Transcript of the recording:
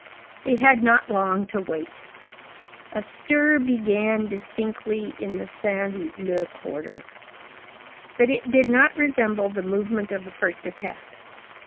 They had not long to wait. A stir began distinctly in the Saint Leu quarter, but it did not resemble the movement of the first attack.